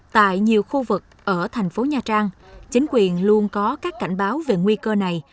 tại nhiều khu vực ở thành phố nha trang chính quyền luôn có các cảnh báo về nguy cơ này